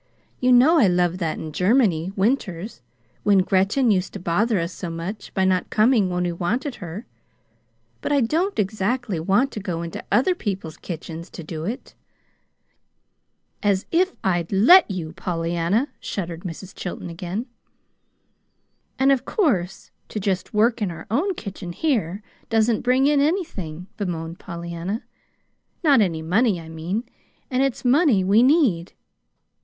You know I loved that in Germany winters, when Gretchen used to bother us so much by not coming when we wanted her. But I don't exactly want to go into other people's kitchens to do it." "As if I'd let you! Pollyanna!" shuddered Mrs. Chilton again. "And of course, to just work in our own kitchen here doesn't bring in anything," bemoaned Pollyanna, " not any money, I mean. And it's money we need."